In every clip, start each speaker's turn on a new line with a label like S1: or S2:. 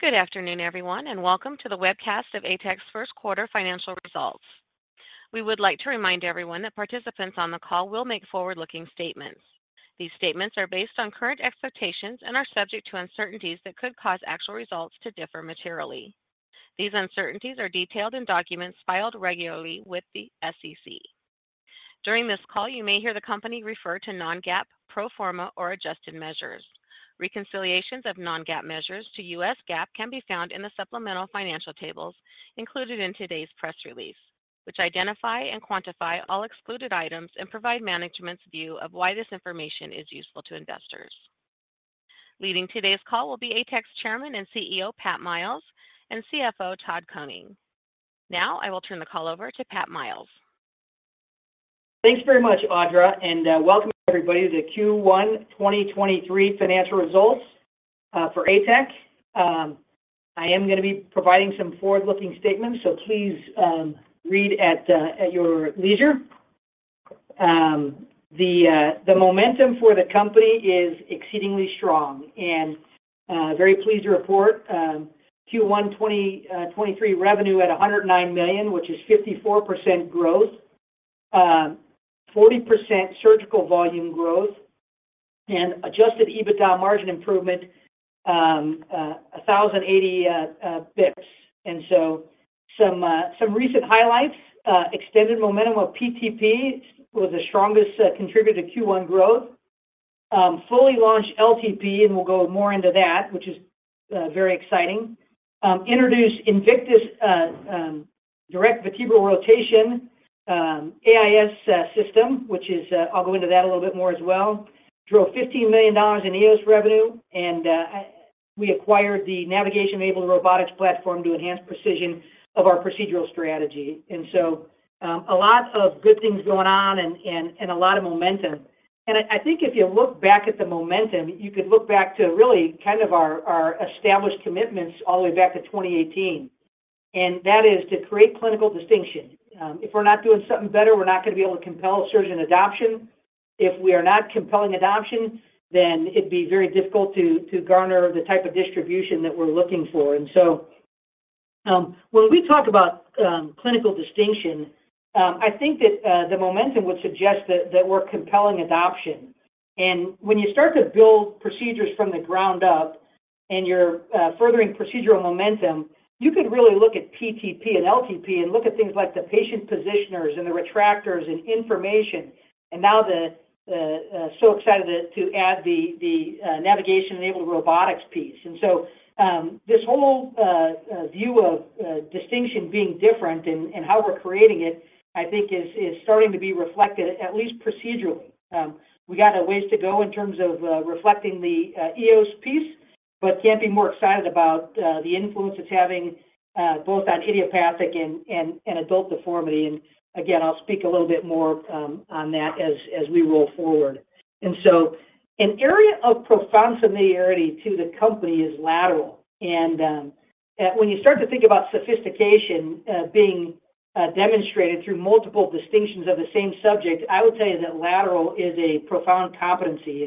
S1: Good afternoon, everyone, and welcome to the webcast of ATEC's first quarter financial results. We would like to remind everyone that participants on the call will make forward-looking statements. These statements are based on current expectations and are subject to uncertainties that could cause actual results to differ materially. These uncertainties are detailed in documents filed regularly with the SEC. During this call, you may hear the company refer to non-GAAP, pro forma, or adjusted measures. Reconciliations of non-GAAP measures to US GAAP can be found in the supplemental financial tables included in today's press release, which identify and quantify all excluded items and provide management's view of why this information is useful to investors. Leading today's call will be ATEC's Chairman and CEO, Pat Miles, and CFO, Todd Koning. Now, I will turn the call over to Pat Miles.
S2: Thanks very much, Audra. Welcome everybody to Q1 2023 financial results for ATEC. I am gonna be providing some forward-looking statements, so please read at your leisure. The momentum for the company is exceedingly strong, and very pleased to report Q1 2023 revenue at $109 million, which is 54% growth, 40% surgical volume growth, and Adjusted EBITDA margin improvement 1,080 bps. Some recent highlights, extended momentum of PTP was the strongest contributor to Q1 growth. Fully launched LTP, and we'll go more into that, which is very exciting. Introduced Invictus' Direct Vertebral Rotation AIS system, which is I'll go into that a little bit more as well. Drove $15 million in EOS revenue. We acquired the navigation-enabled robotics platform to enhance precision of our procedural strategy. A lot of good things going on and a lot of momentum. I think if you look back at the momentum, you could look back to really kind of our established commitments all the way back to 2018. That is to create clinical distinction. If we're not doing something better, we're not gonna be able to compel surgeon adoption. If we are not compelling adoption, then it'd be very difficult to garner the type of distribution that we're looking for. When we talk about clinical distinction, I think that the momentum would suggest that we're compelling adoption. When you start to build procedures from the ground up and you're furthering procedural momentum, you could really look at PTP and LTP and look at things like the patient positioners and the retractors and information. Now the so excited to add the navigation-enabled robotics piece. This whole view of distinction being different and how we're creating it, I think is starting to be reflected at least procedurally. We got a ways to go in terms of reflecting the EOS piece, but can't be more excited about the influence it's having both on idiopathic and adult deformity. Again, I'll speak a little bit more on that as we roll forward. An area of profound familiarity to the company is lateral. When you start to think about sophistication, being demonstrated through multiple distinctions of the same subject, I would say that lateral is a profound competency.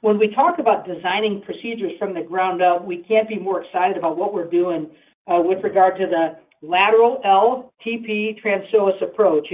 S2: When we talk about designing procedures from the ground up, we can't be more excited about what we're doing with regard to the lateral LTP transforamen approach.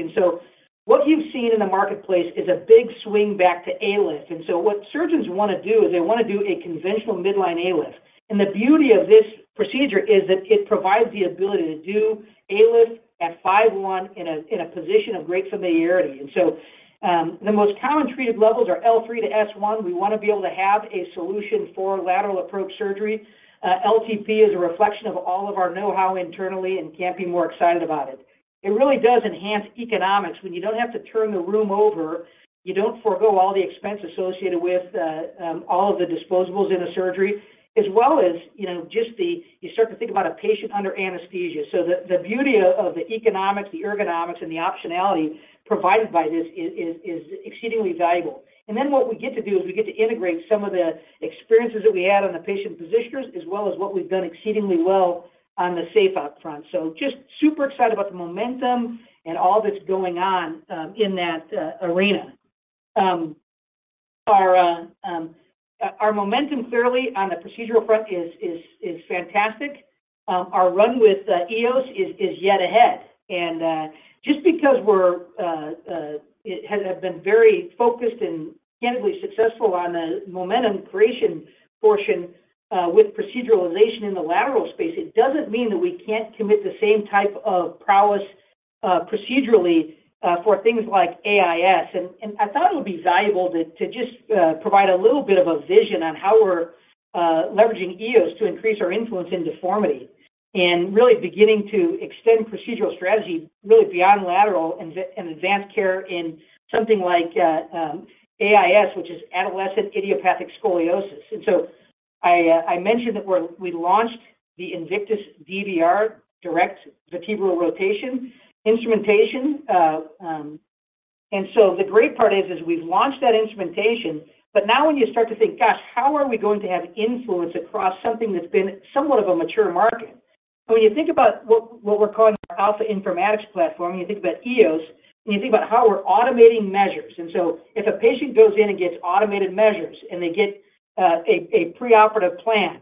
S2: What you've seen in the marketplace is a big swing back to ALIF. What surgeons wanna do is they wanna do a conventional midline ALIF. The beauty of this procedure is that it provides the ability to do ALIF at L5-S1 in a position of great familiarity. The most common treated levels are L3 to S1. We wanna be able to have a solution for lateral approach surgery. LTP is a reflection of all of our know-how internally and can't be more excited about it. It really does enhance economics. When you don't have to turn the room over, you don't forego all the expense associated with all of the disposables in a surgery, as well as, you know, You start to think about a patient under anesthesia. The beauty of the economics, the ergonomics, and the optionality provided by this is exceedingly valuable. What we get to do is we get to integrate some of the experiences that we had on the patient positioners, as well as what we've done exceedingly well on the SafeOp. Just super excited about the momentum and all that's going on in that arena. Our momentum clearly on the procedural front is fantastic. Our run with EOS is yet ahead. Just because we're have been very focused and candidly successful on the momentum creation portion, with proceduralization in the lateral space, it doesn't mean that we can't commit the same type of prowess, procedurally, for things like AIS. I thought it would be valuable to just provide a little bit of a vision on how we're leveraging EOS to increase our influence in deformity and really beginning to extend procedural strategy really beyond lateral and advanced care in something like AIS, which is adolescent idiopathic scoliosis. I mentioned that we launched the Invictus DVR, Direct Vertebral Rotation instrumentation. The great part is we've launched that instrumentation, but now when you start to think, "Gosh, how are we going to have influence across something that's been somewhat of a mature market?" When you think about what we're calling our AlphaInformatiX platform, you think about EOS, and you think about how we're automating measures. If a patient goes in and gets automated measures, and they get a preoperative plan,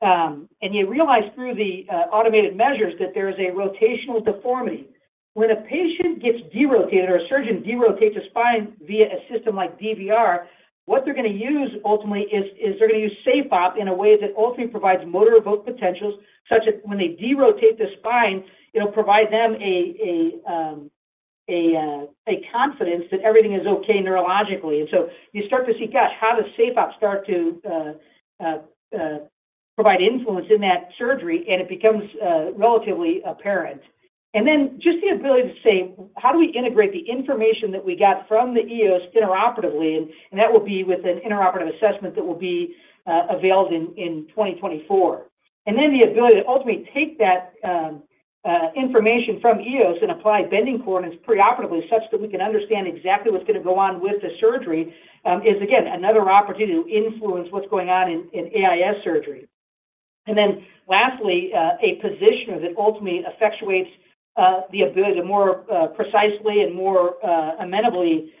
S2: and you realize through the automated measures that there is a rotational deformity. When a patient gets derotated or a surgeon derotates a spine via a system like DVR, what they're gonna use ultimately is they're gonna use SafeOp in a way that ultimately provides motor evoked potentials such that when they derotate the spine, it'll provide them a confidence that everything is okay neurologically. You start to see, gosh, how does SafeOp start to provide influence in that surgery? It becomes relatively apparent. Just the ability to say, how do we integrate the information that we got from the EOS interoperatively? That will be with an interoperable assessment that will be availed in 2024. The ability to ultimately take that information from EOS and apply bending coordinates preoperatively such that we can understand exactly what's gonna go on with the surgery is again, another opportunity to influence what's going on in AIS surgery. Lastly, a positioner that ultimately effectuates the ability to more precisely and more amenably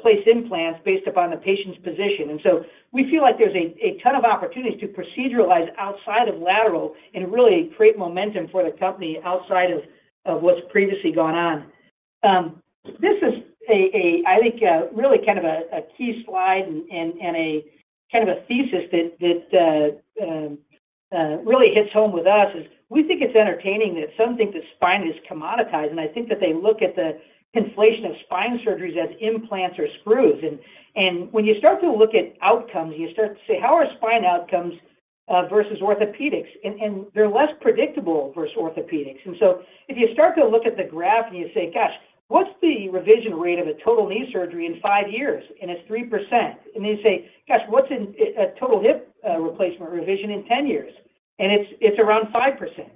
S2: place implants based upon the patient's position. We feel like there's a ton of opportunities to proceduralize outside of lateral and really create momentum for the company outside of what's previously gone on. I think, a really kind of a key slide and a kind of a thesis that really hits home with us is we think it's entertaining that some think that spine is commoditized. I think that they look at the inflation of spine surgeries as implants or screws. When you start to look at outcomes, and you start to say, "How are spine outcomes versus orthopedics?" They're less predictable versus orthopedics. If you start to look at the graph, and you say, "Gosh, what's the revision rate of a total knee surgery in five years?" It's 3%. You say, "Gosh, what's a total hip replacement revision in 10 years?" It's around 5%.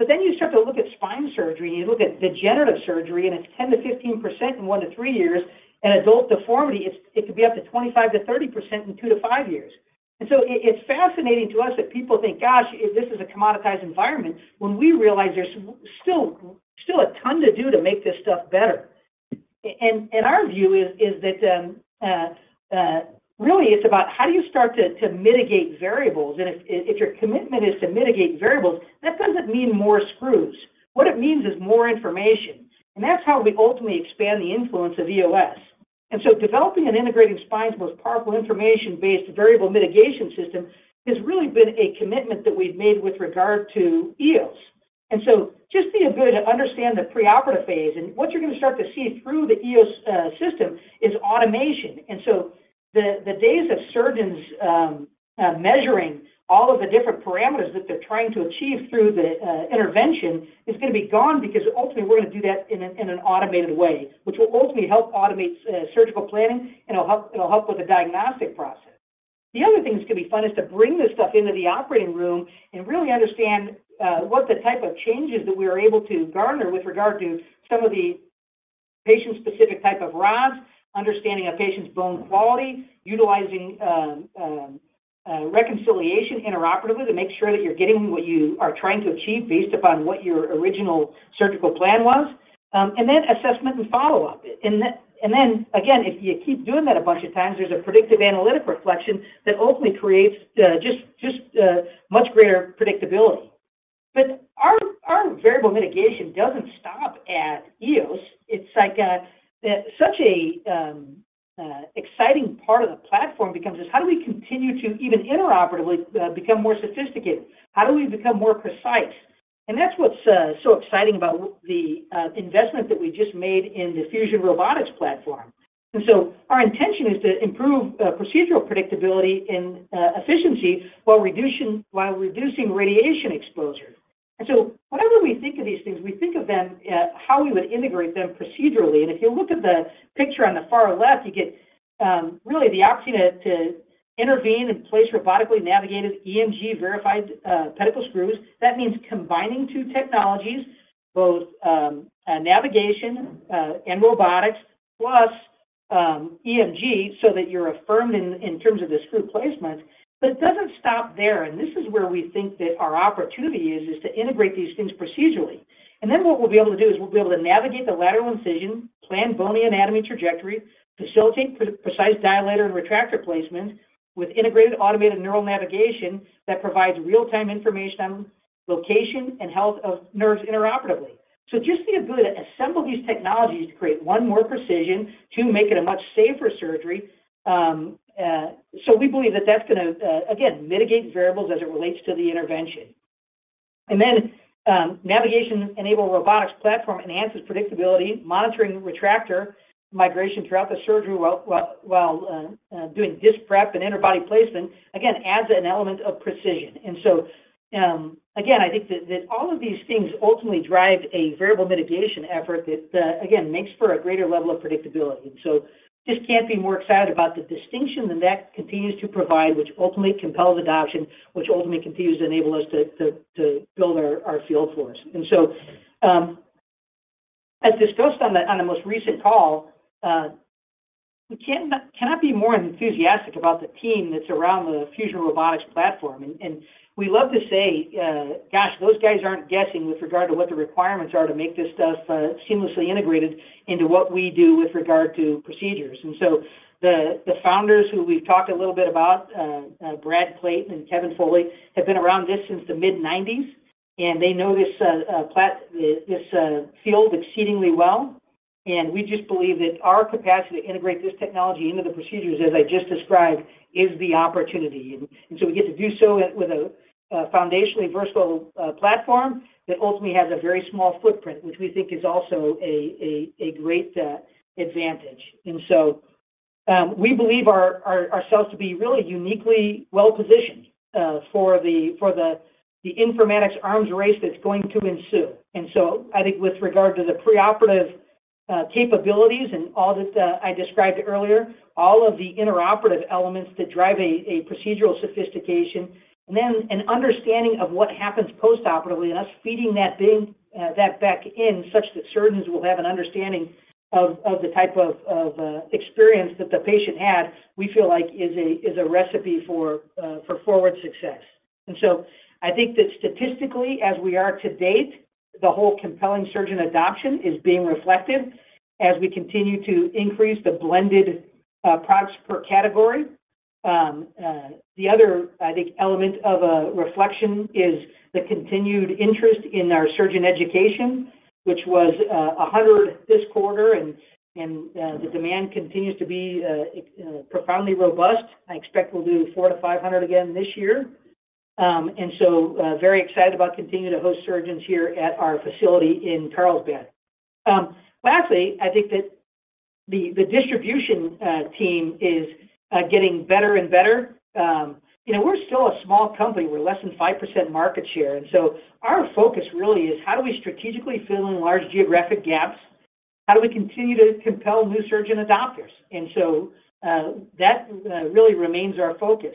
S2: You start to look at spine surgery, and you look at degenerative surgery, and it's 10%-15% in one to three years. In adult deformity, it could be up to 25%-30% in two to five years. It's fascinating to us that people think, gosh, this is a commoditized environment when we realize there's still a ton to do to make this stuff better. Our view is that really it's about how do you start to mitigate variables? If your commitment is to mitigate variables, that doesn't mean more screws. What it means is more information. That's how we ultimately expand the influence of EOS. Developing and integrating spine's most powerful information-based variable mitigation system has really been a commitment that we've made with regard to EOS. Just the ability to understand the preoperative phase, and what you're gonna start to see through the EOS system is automation. The days of surgeons measuring all of the different parameters that they're trying to achieve through the intervention is gonna be gone because ultimately we're gonna do that in an automated way, which will ultimately help automate surgical planning, and it'll help with the diagnostic process. The other thing that's gonna be fun is to bring this stuff into the operating room and really understand what the type of changes that we are able to garner with regard to some of the patient-specific type of rods, understanding a patient's bone quality, utilizing reconciliation interoperatively to make sure that you're getting what you are trying to achieve based upon what your original surgical plan was, and then assessment and follow-up. Again, if you keep doing that a bunch of times, there's a predictive analytic reflection that ultimately creates much greater predictability. Our variable mitigation doesn't stop at EOS. It's like such an exciting part of the platform becomes how do we continue to even interoperatively become more sophisticated? How do we become more precise? That's what's so exciting about the investment that we just made in the Fusion Robotics platform. Our intention is to improve procedural predictability and efficiency while reducing radiation exposure. Whenever we think of these things, we think of them how we would integrate them procedurally. If you look at the picture on the far left, you get really the option to intervene and place robotically navigated EMG-verified pedicle screws. That means combining two technologies, both navigation and robotics plus EMG so that you're affirmed in terms of the screw placement. It doesn't stop there, and this is where we think that our opportunity is to integrate these things procedurally. What we'll be able to do is we'll be able to navigate the lateral incision, plan bony anatomy trajectory, facilitate pre-precise dilator and retractor placement with integrated automated neural navigation that provides real-time information on location and health of nerves interoperatively. Just the ability to assemble these technologies to create one, more precision, two, make it a much safer surgery. We believe that that's gonna again, mitigate variables as it relates to the intervention. Navigation-enabled robotics platform enhances predictability, monitoring retractor migration throughout the surgery while doing disc prep and interbody placement, again, adds an element of precision. Again, I think that all of these things ultimately drive a variable mitigation effort that again, makes for a greater level of predictability. Just can't be more excited about the distinction that continues to provide, which ultimately compels adoption, which ultimately continues to enable us to build our field force. As disclosed on the, on the most recent call, we cannot be more enthusiastic about the team that's around the Fusion Robotics platform. We love to say, gosh, those guys aren't guessing with regard to what the requirements are to make this stuff seamlessly integrated into what we do with regard to procedures. The founders who we've talked a little bit about Brad Clayton and Kevin Foley have been around this since the mid-90s, and they know this field exceedingly well. We just believe that our capacity to integrate this technology into the procedures, as I just described, is the opportunity. We get to do so with a foundationally versatile platform that ultimately has a very small footprint, which we think is also a great advantage. We believe our ourselves to be really uniquely well-positioned for the informatics arms race that's going to ensue. I think with regard to the preoperative capabilities and all that I described earlier, all of the intraoperative elements that drive a procedural sophistication, and then an understanding of what happens postoperatively, and us feeding that big that back in such that surgeons will have an understanding of the type of experience that the patient had, we feel like is a recipe for forward success. I think that statistically, as we are to date, the whole compelling surgeon adoption is being reflected as we continue to increase the blended products per category. The other, I think, element of a reflection is the continued interest in our surgeon education, which was 100 this quarter. The demand continues to be profoundly robust. I expect we'll do 400 to 500 again this year. Very excited about continuing to host surgeons here at our facility in Carlsbad. Lastly, I think that the distribution team is getting better and better. You know, we're still a small company. We're less than 5% market share, our focus really is how do we strategically fill in large geographic gaps? How do we continue to compel new surgeon adopters? That really remains our focus.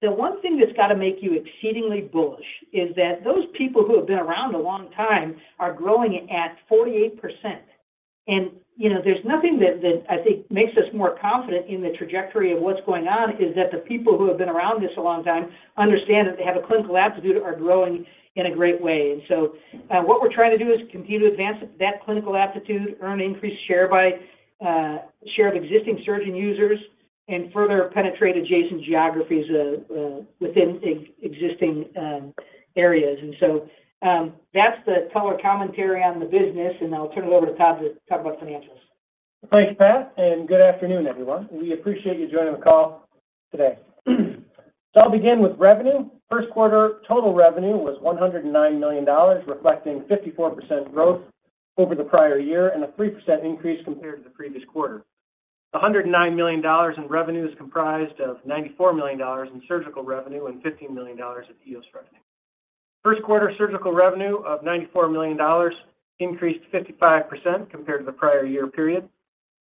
S2: The one thing that's gotta make you exceedingly bullish is that those people who have been around a long time are growing at 48%. You know, there's nothing that I think makes us more confident in the trajectory of what's going on, is that the people who have been around this a long time understand that they have a clinical aptitude, are growing in a great way. So, what we're trying to do is continue to advance that clinical aptitude, earn increased share by, share of existing surgeon users, and further penetrate adjacent geographies within existing areas. So, that's the color commentary on the business, and I'll turn it over to Todd to talk about financials.
S3: Thanks, Pat. Good afternoon, everyone. We appreciate you joining the call today. I'll begin with revenue. First quarter total revenue was $109 million, reflecting 54% growth over the prior year and a 3% increase compared to the previous quarter. $109 million in revenue is comprised of $94 million in surgical revenue and $15 million of EOS revenue. First quarter surgical revenue of $94 million increased 55% compared to the prior year period.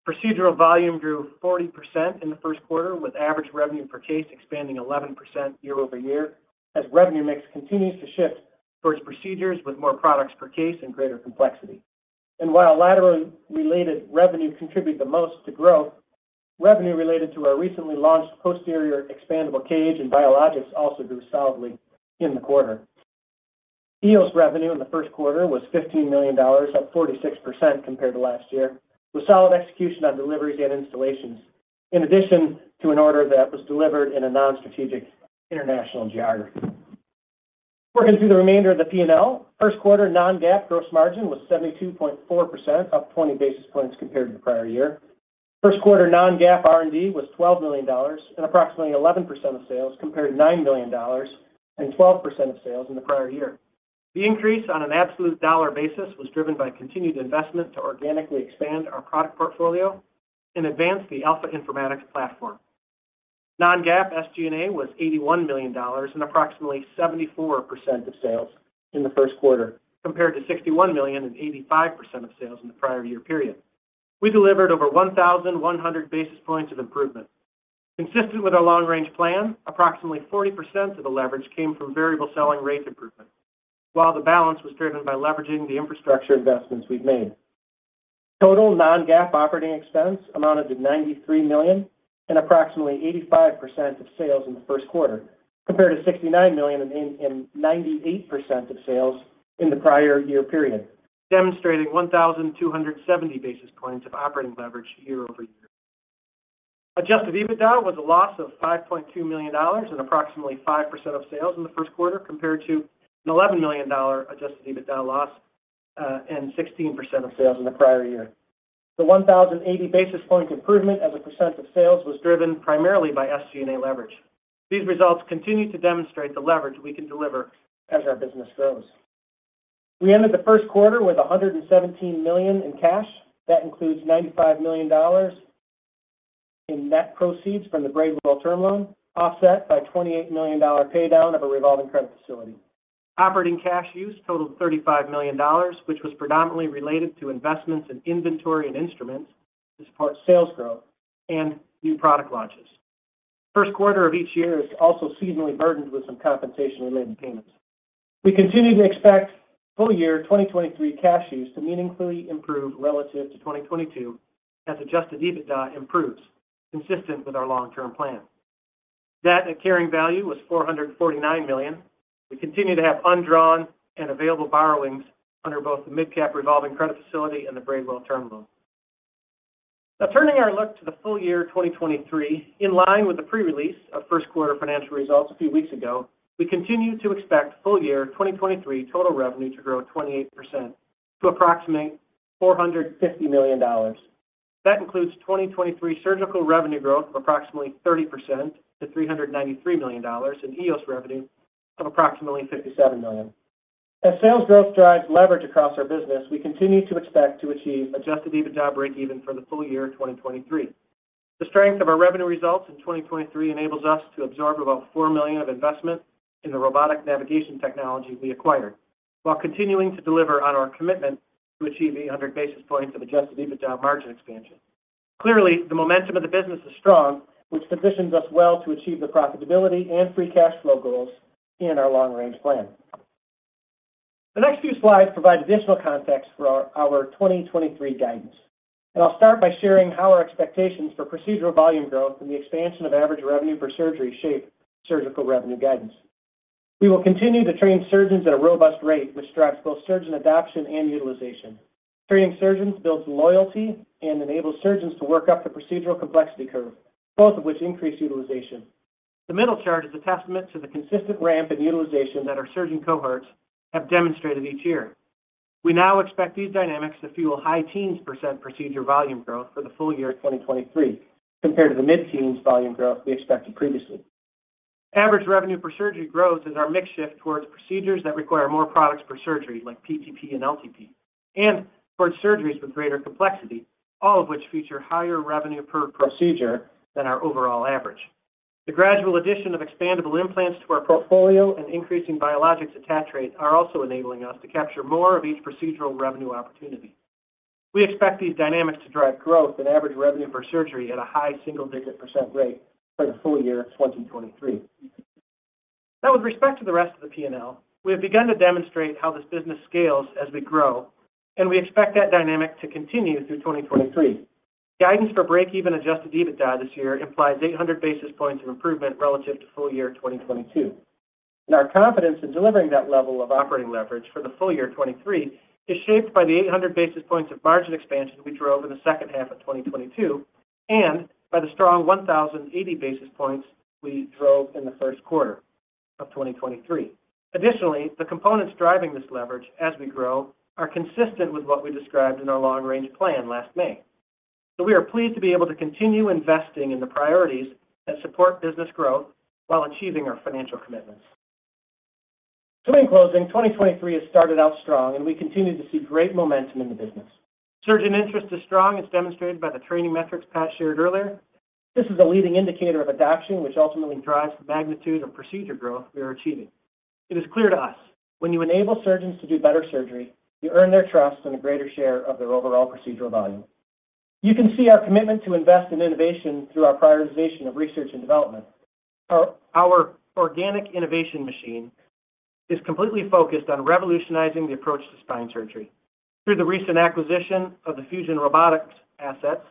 S3: Procedural volume grew 40% in the first quarter, with average revenue per case expanding 11% year-over-year as revenue mix continues to shift towards procedures with more products per case and greater complexity. While laterally related revenue contribute the most to growth, revenue related to our recently launched posterior expandable cage and biologics also grew solidly in the quarter. EOS revenue in the first quarter was $15 million, up 46% compared to last year, with solid execution on deliveries and installations, in addition to an order that was delivered in a non-strategic international geography. Working through the remainder of the P&L, first quarter non-GAAP gross margin was 72.4%, up 20 basis points compared to the prior year. First quarter non-GAAP R&D was $12 million and approximately 11% of sales, compared to $9 million and 12% of sales in the prior year. The increase on an absolute dollar basis was driven by continued investment to organically expand our product portfolio and advance the AlphaInformatiX platform. Non-GAAP SG&A was $81 million and approximately 74% of sales in the first quarter, compared to $61 million and 85% of sales in the prior year period. We delivered over 1,100 basis points of improvement. Consistent with our long-range plan, approximately 40% of the leverage came from variable selling rate improvement, while the balance was driven by leveraging the infrastructure investments we've made. Total non-GAAP operating expense amounted to $93 million and approximately 85% of sales in the first quarter, compared to $69 million in 98% of sales in the prior year period, demonstrating 1,270 basis points of operating leverage year-over-year. Adjusted EBITDA was a loss of $5.2 million and approximately 5% of sales in the first quarter compared to an $11 million Adjusted EBITDA loss and 16% of sales in the prior year. The 1,080 basis point improvement as a percent of sales was driven primarily by SG&A leverage. These results continue to demonstrate the leverage we can deliver as our business grows. We ended the first quarter with $117 million in cash. That includes $95 million in net proceeds from the Braidwell long-term loan, offset by $28 million paydown of a revolving credit facility. Operating cash use totaled $35 million, which was predominantly related to investments in inventory and instruments to support sales growth and new product launches. First quarter of each year is also seasonally burdened with some compensation-related payments. We continue to expect full year 2023 cash use to meaningfully improve relative to 2022 as Adjusted EBITDA improves, consistent with our long-term plan. Debt at carrying value was $449 million. We continue to have undrawn and available borrowings under both the MidCap revolving credit facility and the Braidwell term loan. Turning our look to the full year 2023, in line with the pre-release of first quarter financial results a few weeks ago, we continue to expect full year 2023 total revenue to grow 28% to approximate $450 million. That includes 2023 surgical revenue growth of approximately 30% to $393 million in EOS revenue of approximately $57 million. Sales growth drives leverage across our business, we continue to expect to achieve Adjusted EBITDA break-even for the full year 2023. The strength of our revenue results in 2023 enables us to absorb about $4 million of investment in the robotic navigation technology we acquired while continuing to deliver on our commitment to achieve 800 basis points of Adjusted EBITDA margin expansion. Clearly, the momentum of the business is strong, which positions us well to achieve the profitability and free cash flow goals in our long-range plan. The next few slides provide additional context for our 2023 guidance. I'll start by sharing how our expectations for procedural volume growth and the expansion of average revenue per surgery shape surgical revenue guidance. We will continue to train surgeons at a robust rate, which drives both surgeon adoption and utilization. Training surgeons builds loyalty and enables surgeons to work up the procedural complexity curve, both of which increase utilization. The middle chart is a testament to the consistent ramp in utilization that our surgeon cohorts have demonstrated each year. We now expect these dynamics to fuel high teens percent procedure volume growth for the full year 2023 compared to the mid-teens volume growth we expected previously. Average revenue per surgery growth is our mix shift towards procedures that require more products per surgery, like PTP and LTP, and towards surgeries with greater complexity, all of which feature higher revenue per procedure than our overall average. The gradual addition of expandable implants to our portfolio and increasing biologics attach rate are also enabling us to capture more of each procedural revenue opportunity. We expect these dynamics to drive growth in average revenue per surgery at a high single-digit percent rate for the full year 2023. With respect to the rest of the P&L, we have begun to demonstrate how this business scales as we grow. We expect that dynamic to continue through 2023. Guidance for break-even Adjusted EBITDA this year implies 800 basis points of improvement relative to full year 2022. Our confidence in delivering that level of operating leverage for the full year 2023 is shaped by the 800 basis points of margin expansion we drove in the second half of 2022 and by the strong 1,080 basis points we drove in the first quarter of 2023. Additionally, the components driving this leverage as we grow are consistent with what we described in our long-range plan last May. We are pleased to be able to continue investing in the priorities that support business growth while achieving our financial commitments. In closing, 2023 has started out strong, and we continue to see great momentum in the business. Surgeon interest is strong, as demonstrated by the training metrics Pat shared earlier. This is a leading indicator of adoption, which ultimately drives the magnitude of procedure growth we are achieving. It is clear to us when you enable surgeons to do better surgery, you earn their trust and a greater share of their overall procedural volume. You can see our commitment to invest in innovation through our prioritization of research and development. Our organic innovation machine is completely focused on revolutionizing the approach to spine surgery. Through the recent acquisition of the Fusion Robotics assets,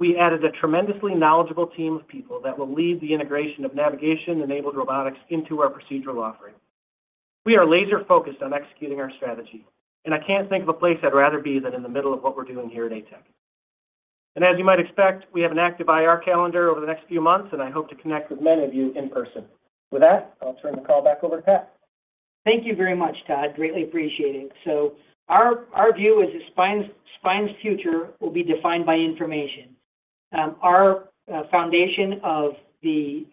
S3: we added a tremendously knowledgeable team of people that will lead the integration of navigation-enabled robotics into our procedural offering. We are laser-focused on executing our strategy, and I can't think of a place I'd rather be than in the middle of what we're doing here at ATEC. As you might expect, we have an active IR calendar over the next few months, and I hope to connect with many of you in person. With that, I'll turn the call back over to Pat.
S2: Thank you very much, Todd. Greatly appreciate it. Our view is that spine's future will be defined by information. Our foundation of the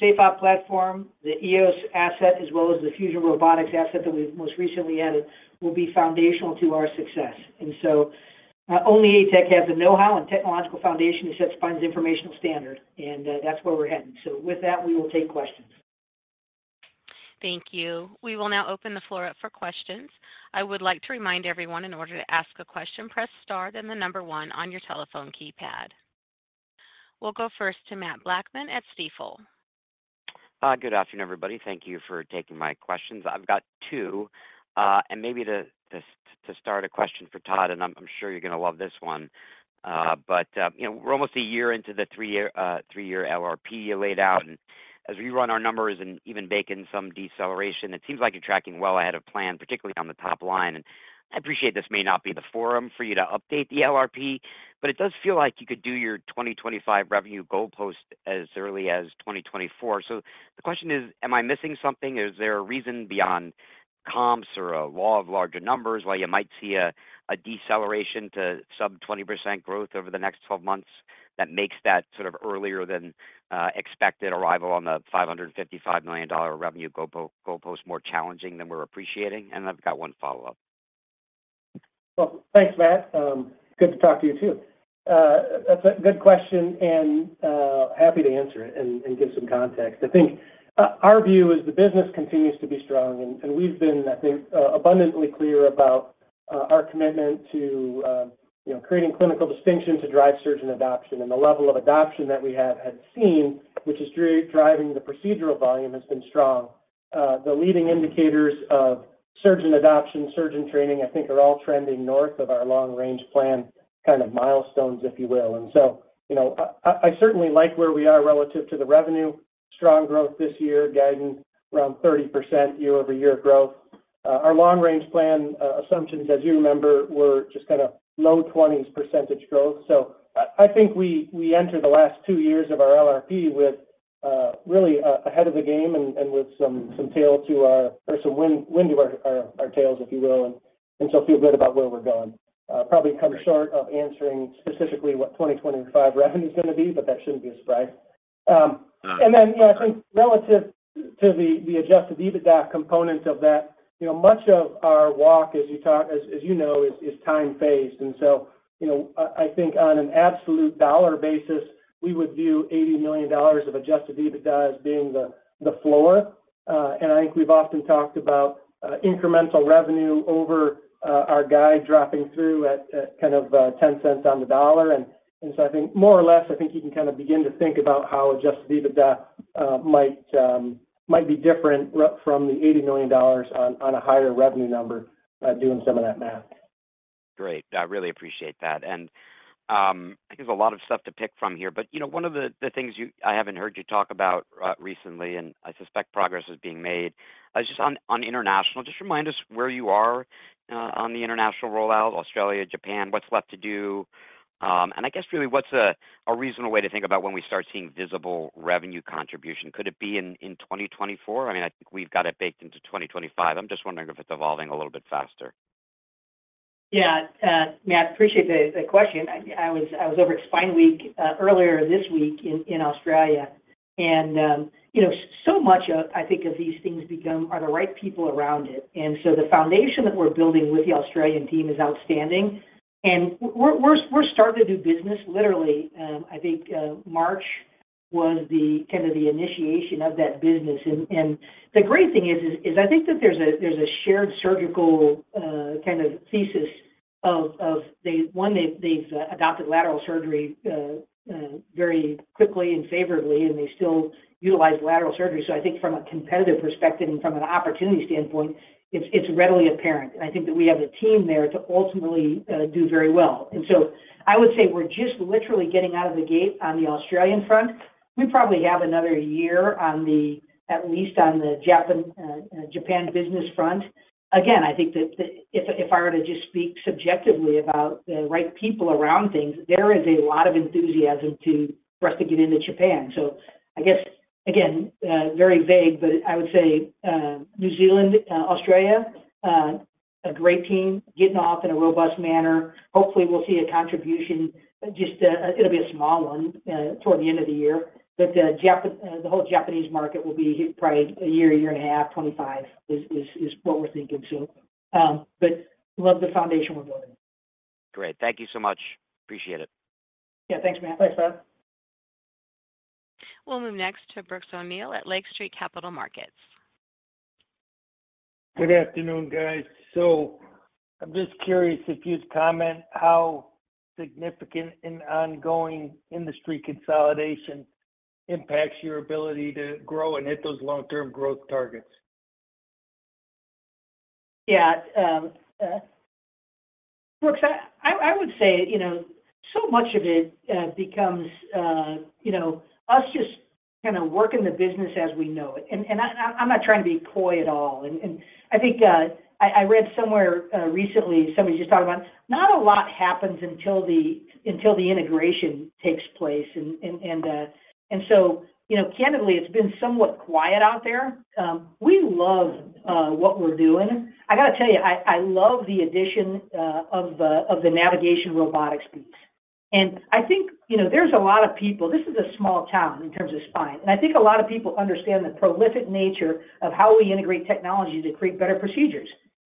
S2: SafeOp platform, the EOS asset, as well as the Fusion Robotics asset that we've most recently added will be foundational to our success. Only ATEC has the know-how and technological foundation to set spine's informational standard, and that's where we're heading. With that, we will take questions.
S1: Thank you. We will now open the floor up for questions. I would like to remind everyone, in order to ask a question, press star then the number one on your telephone keypad. We'll go first to Matt Blackman at Stifel.
S4: Good afternoon, everybody. Thank you for taking my questions. I've got two, and maybe to start, a question for Todd, and I'm sure you're gonna love this one. You know, we're almost a year into the three-year LRP you laid out. As we run our numbers and even bake in some deceleration, it seems like you're tracking well ahead of plan, particularly on the top line. I appreciate this may not be the forum for you to update the LRP, but it does feel like you could do your 2025 revenue goalpost as early as 2024. The question is, am I missing something? Is there a reason beyond comps or a law of larger numbers why you might see a deceleration to sub 20% growth over the next 12 months that makes that sort of earlier than expected arrival on the $555 million revenue goalpost more challenging than we're appreciating? I've got one follow-up.
S3: Thanks, Matt. Good to talk to you too. That's a good question, happy to answer it and give some context. I think our view is the business continues to be strong, We've been, I think, abundantly clear about Our commitment to, you know, creating clinical distinction to drive surgeon adoption and the level of adoption that we have had seen, which is driving the procedural volume has been strong. The leading indicators of surgeon adoption, surgeon training, I think are all trending north of our long-range plan kind of milestones, if you will. You know, I certainly like where we are relative to the revenue, strong growth this year, guiding around 30% year-over-year growth. Our long-range plan assumptions, as you remember, were just kinda low 20s% growth. I think we entered the last two years of our LRP with really ahead of the game and with some tail to our or some wind to our tails, if you will, and feel good about where we're going. Probably come short of answering specifically what 2025 revenue's gonna be, but that shouldn't be a surprise.
S4: Uh.
S3: Yeah, I think relative to the Adjusted EBITDA component of that, you know, much of our walk as you know, is time-phased. You know, I think on an absolute dollar basis, we would view $80 million of Adjusted EBITDA as being the floor. I think we've often talked about incremental revenue over our guide dropping through at kind of $0.10 on the dollar. I think more or less, I think you can kinda begin to think about how Adjusted EBITDA might be different from the $80 million on a higher revenue number, doing some of that math.
S4: Great. I really appreciate that. I think there's a lot of stuff to pick from here, you know, one of the things I haven't heard you talk about recently, and I suspect progress is being made, just on international. Just remind us where you are on the international rollout, Australia, Japan, what's left to do. I guess really, what's a reasonable way to think about when we start seeing visible revenue contribution? Could it be in 2024? I mean, I think we've got it baked into 2025. I'm just wondering if it's evolving a little bit faster.
S2: Yeah. Matt, appreciate the question. I was over at SpineWeek earlier this week in Australia and, you know, so much of, I think, of these things become are the right people around it. The foundation that we're building with the Australian team is outstanding. We're starting to do business literally, I think, March was the kinda the initiation of that business. The great thing is, I think that there's a shared surgical kind of thesis of, one, they've adopted lateral surgery very quickly and favorably, and they still utilize lateral surgery. I think from a competitive perspective and from an opportunity standpoint, it's readily apparent. I think that we have the team there to ultimately do very well. I would say we're just literally getting out of the gate on the Australian front. We probably have another year on the, at least on the Japan business front. I think that if I were to just speak subjectively about the right people around things, there is a lot of enthusiasm for us to get into Japan. I guess, again, very vague, but I would say New Zealand, Australia, a great team getting off in a robust manner. Hopefully, we'll see a contribution, just, it'll be a small one toward the end of the year. The whole Japanese market will be probably a year, a year and a half, 2025 is what we're thinking. Love the foundation we're building.
S4: Great. Thank you so much. Appreciate it.
S2: Yeah, thanks Matt.
S4: Thanks, bud.
S1: We'll move next to Brooks O'Neil at Lake Street Capital Markets.
S5: Good afternoon, guys. I'm just curious if you'd comment how significant an ongoing industry consolidation impacts your ability to grow and hit those long-term growth targets?
S2: Yeah. Brooks, I would say, you know, so much of it becomes, you know, us just kinda working the business as we know it. I'm not trying to be coy at all. I think I read somewhere recently, somebody just talking about not a lot happens until the integration takes place. You know, candidly, it's been somewhat quiet out there. We love what we're doing. I gotta tell you, I love the addition of the navigation robotics piece. I think, you know, there's a lot of people. This is a small town in terms of spine. I think a lot of people understand the prolific nature of how we integrate technology to create better procedures.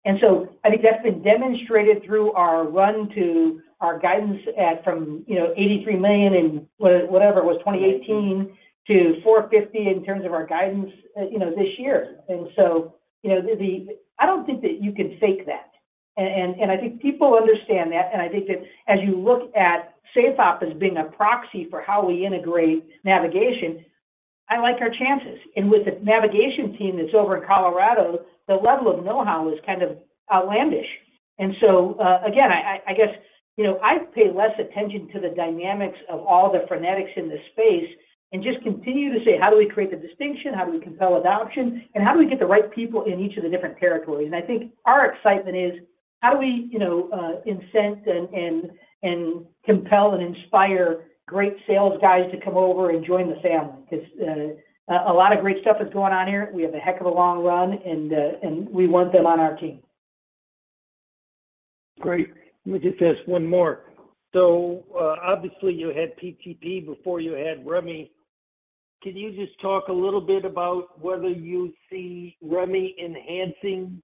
S2: I think that's been demonstrated through our run to our guidance at from, you know, $83 million in whatever it was, 2018 to $450 million in terms of our guidance, you know, this year. I don't think that you can fake that. I think people understand that. I think that as you look at SafeOp as being a proxy for how we integrate navigation, I like our chances. With the navigation team that's over in Colorado, the level of know-how is kind of outlandish. Again, I guess, you know, I pay less attention to the dynamics of all the frenetics in this space and just continue to say, how do we create the distinction? How do we compel adoption? How do we get the right people in each of the different territories? I think our excitement is how do we, you know, incent and compel and inspire great sales guys to come over and join the family? Because a lot of great stuff is going on here. We have a heck of a long run, and we want them on our team.
S5: Great. Let me just ask one more. Obviously, you had PTP before you had Remi. Can you just talk a little bit about whether you see Remi enhancing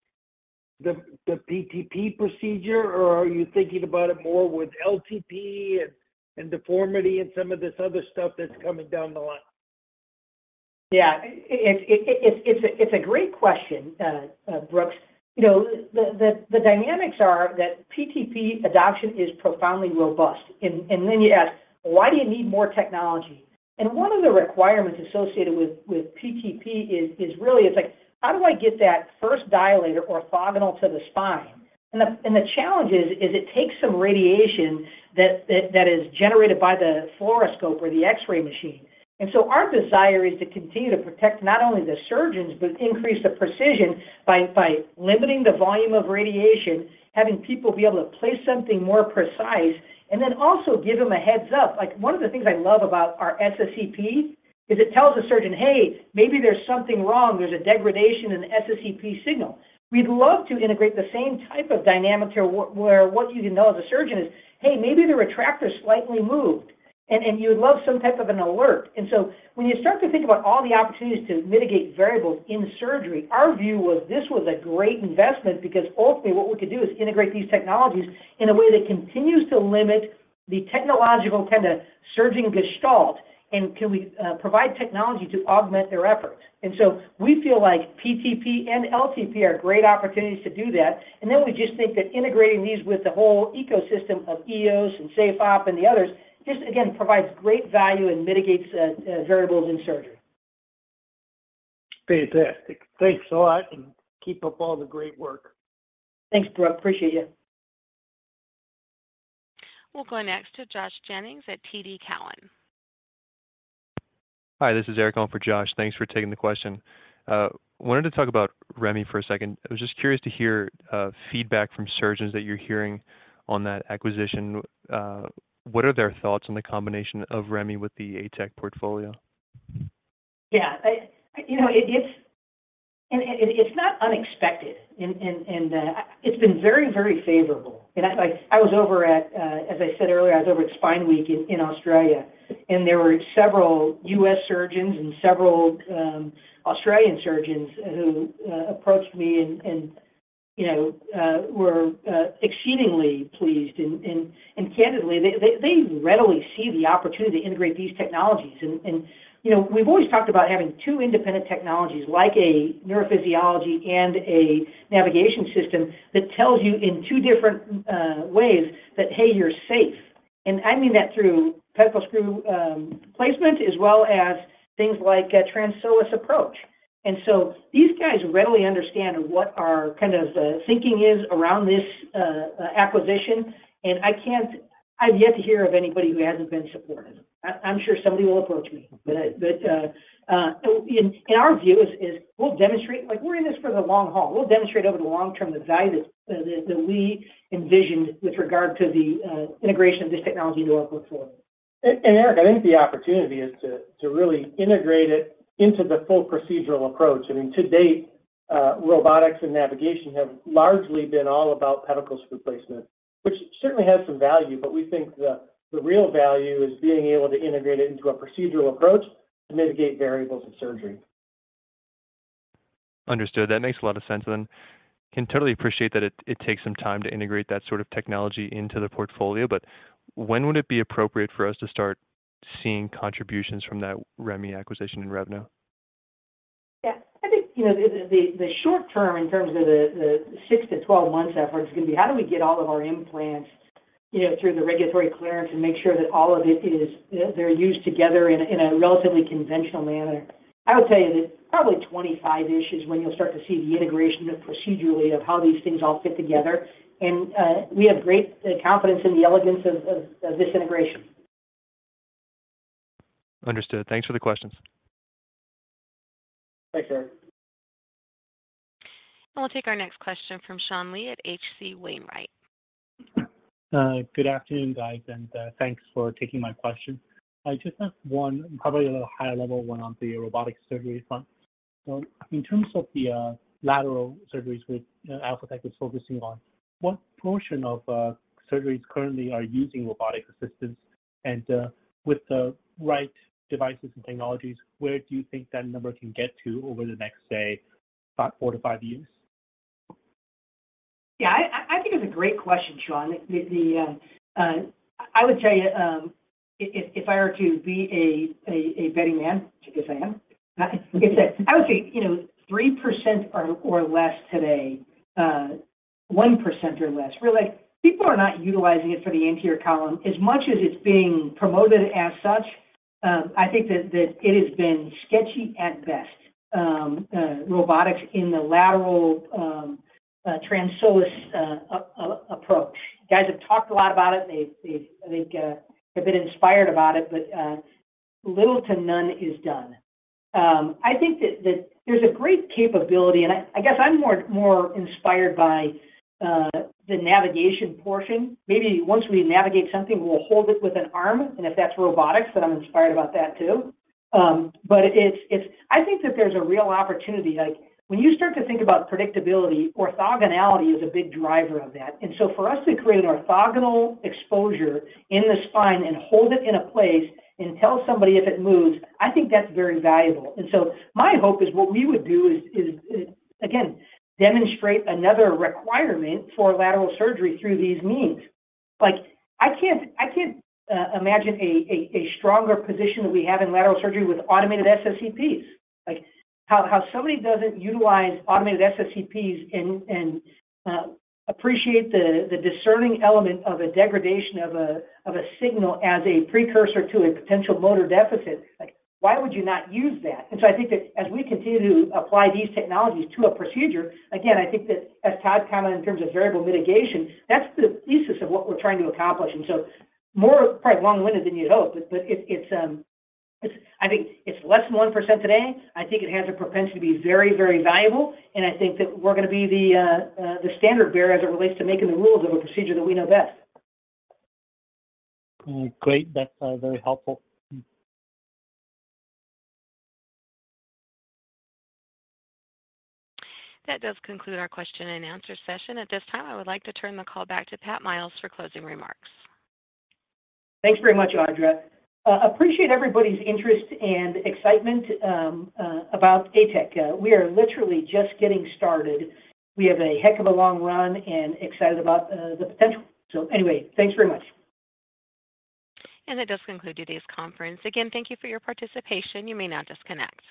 S5: the PTP procedure, or are you thinking about it more with LTP and deformity and some of this other stuff that's coming down the line?
S2: Yeah. It's a great question, Brooks. You know, the dynamics are that PTP adoption is profoundly robust. Then you ask, "Why do you need more technology?" One of the requirements associated with PTP is really it's like, how do I get that first dilator orthogonal to the spine? The challenge is it takes some radiation that is generated by the fluoroscope or the X-ray machine. Our desire is to continue to protect not only the surgeons, but increase the precision by limiting the volume of radiation, having people be able to place something more precise, and then also give them a heads-up. Like, one of the things I love about our SSEP is it tells a surgeon, "Hey, maybe there's something wrong. There's a degradation in the SSEP signal." We'd love to integrate the same type of dynamic to where what you can know as a surgeon is, "Hey, maybe the retractor slightly moved," and you'd love some type of an alert. When you start to think about all the opportunities to mitigate variables in surgery, our view was this was a great investment because ultimately what we could do is integrate these technologies in a way that continues to limit the technological kind of surging gestalt, can we provide technology to augment their efforts? We feel like PTP and LTP are great opportunities to do that. We just think that integrating these with the whole ecosystem of EOS and SafeOp and the others just, again, provides great value and mitigates variables in surgery.
S5: Fantastic. Thanks a lot, and keep up all the great work.
S2: Thanks, Brook. Appreciate you.
S1: We'll go next to Joshua Jennings at TD Cowen.
S6: Hi, this is Eric on for Josh. Thanks for taking the question. Wanted to talk about Remi for a second. I was just curious to hear feedback from surgeons that you're hearing on that acquisition. What are their thoughts on the combination of Remi with the ATEC portfolio?
S2: Yeah. You know, it's not unexpected. It's been very favorable. I, like, I was over at, as I said earlier, I was over at Spineweek in Australia, and there were several U.S. surgeons and several Australian surgeons who approached me and, you know, were exceedingly pleased. Candidly, they readily see the opportunity to integrate these technologies. You know, we've always talked about having two independent technologies like a neurophysiology and a navigation system that tells you in two different ways that, hey, you're safe. I mean that through pedicle screw placement as well as things like a transforaminal approach. These guys readily understand what our kind of thinking is around this acquisition, and I've yet to hear of anybody who hasn't been supportive. I'm sure somebody will approach me. In our view is we'll demonstrate. Like, we're in this for the long haul. We'll demonstrate over the long term the value that we envision with regard to the integration of this technology going forward.
S3: Eric, I think the opportunity is to really integrate it into the full procedural approach. I mean, to date, robotics and navigation have largely been all about pedicle screw placement, which certainly has some value, but we think the real value is being able to integrate it into a procedural approach to mitigate variables in surgery.
S6: Understood. That makes a lot of sense. Can totally appreciate that it takes some time to integrate that sort of technology into the portfolio. When would it be appropriate for us to start seeing contributions from that Remi acquisition in revenue?
S2: Yeah. I think, you know, the, the short term in terms of the six to 12 month effort is gonna be how do we get all of our implants, you know, through the regulatory clearance and make sure that all of it is they're used together in a, in a relatively conventional manner. I would say that probably 2025-ish is when you'll start to see the integration procedurally of how these things all fit together. We have great confidence in the elegance of this integration.
S6: Understood. Thanks for the questions.
S3: Thanks, Eric.
S1: I'll take our next question from Sean Lee at H.C. Wainwright.
S7: Good afternoon, guys, and thanks for taking my question. I just have one probably a little high level one on the robotic surgery front. In terms of the lateral surgeries with Alphatec is focusing on, what portion of surgeries currently are using robotic assistance? With the right devices and technologies, where do you think that number can get to over the next, say, about four to five years?
S2: Yeah. I think it's a great question, Sean. I would tell you, if I were to be a betting man, which I guess I am, I would say, you know, 3% or less today, 1% or less, really. People are not utilizing it for the anterior column. As much as it's being promoted as such, I think that it has been sketchy at best, robotics in the lateral transforaminal approach. Guys have talked a lot about it. They've been inspired about it, but little to none is done. I think that there's a great capability, and I guess I'm more inspired by the navigation portion. Maybe once we navigate something, we'll hold it with an arm, and if that's robotics, then I'm inspired about that too. I think that there's a real opportunity. Like, when you start to think about predictability, orthogonality is a big driver of that. For us to create orthogonal exposure in the spine and hold it in a place and tell somebody if it moves, I think that's very valuable. My hope is what we would do is, again, demonstrate another requirement for lateral surgery through these means. Like, I can't imagine a stronger position that we have in lateral surgery with automated SSEPs. Like, how somebody doesn't utilize automated SSEPs and appreciate the discerning element of a degradation of a signal as a precursor to a potential motor deficit, like, why would you not use that? I think that as we continue to apply these technologies to a procedure, again, I think that as Todd commented in terms of variable mitigation, that's the thesis of what we're trying to accomplish. More probably long-winded than you'd hope, but it's I think it's less than 1% today. I think it has a propensity to be very valuable, and I think that we're gonna be the standard bearer as it relates to making the rules of a procedure that we know best.
S7: Great. That's, very helpful.
S1: That does conclude our question and answer session. At this time, I would like to turn the call back to Pat Miles for closing remarks.
S2: Thanks very much, Audra. Appreciate everybody's interest and excitement about ATEC. We are literally just getting started. We have a heck of a long run and excited about the potential. Thanks very much.
S1: That does conclude today's conference. Again, thank you for your participation. You may now disconnect.